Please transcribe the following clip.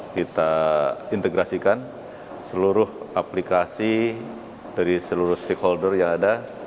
kita integrasikan seluruh aplikasi dari seluruh stakeholder yang ada